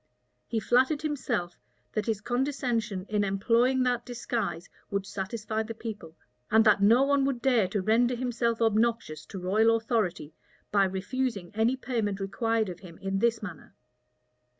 He flattered himself, that his condescension in employing that disguise would satisfy the people, and that no one would dare to render himself obnoxious to royal authority, by refusing any payment required of him in this manner.